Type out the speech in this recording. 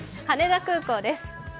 羽田空港です。